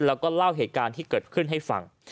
แล้วก็เล่าเหตุการณ์ที่เกิดขึ้นให้ฟัง